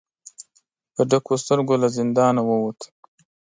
په ډکو سترګو له زندانه ووت.